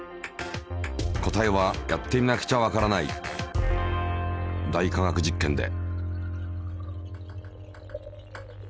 答えはやってみなくちゃわからない「大科学実験」で。